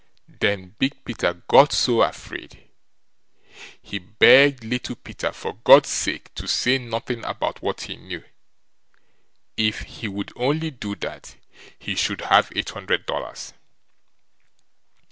Then Big Peter got so afraid, he begged Little Peter, for God's sake, to say nothing about what he knew. If he would only do that, he should have eight hundred dollars.